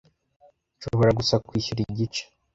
Nshobora gusa kwishyura igice.